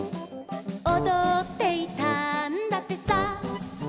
「おどっていたんだってさ」